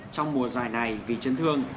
trong mùa giải này vì chân thương